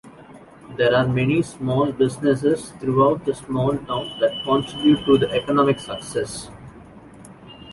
There are many small businesses throughout the small town that contribute to economic success.